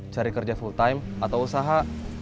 cari kerja full time atau usaha